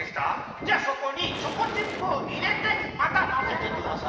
じゃあそこにチョコチップをいれてまたまぜてください。